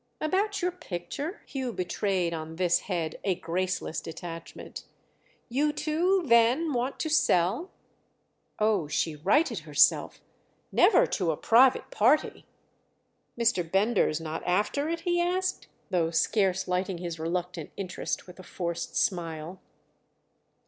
"About your picture?" Hugh betrayed on this head a graceless detachment. "You too then want to sell?" Oh she righted herself. "Never to a private party!" "Mr. Bender's not after it?" he asked—though scarce lighting his reluctant interest with a forced smile.